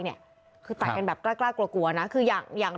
นี่คือตัดกันแบบกล้ากล้ากลัวกลัวน่ะคืออย่างอย่าง